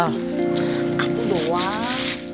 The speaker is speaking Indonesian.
ah itu doang